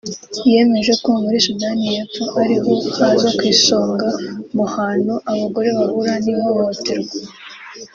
yemeje ko muri Sudani y’Epfo ari ho haza ku isonga mu hantu abagore bahura n’ihohoterwa